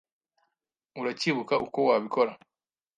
Uracyibuka uko wabikora?